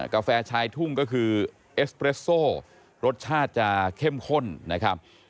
กาแฟชายทุ่งก็คือเอสเปรสโซรสชาติจะเข้มข้นนะครับ